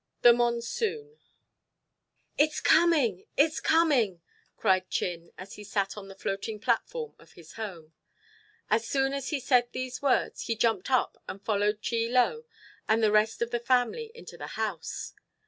THE MONSOON "IT'S coming! it's coming!" cried Chin, as he sat on the floating platform of his home. As soon as he said these words, he jumped up and followed Chie Lo and the rest of the family into the house.